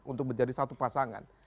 untuk menjadi satu pasangan